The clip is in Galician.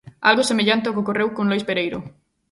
Algo semellante ao que ocorreu con Lois Pereiro.